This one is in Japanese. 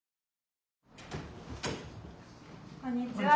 こんにちは。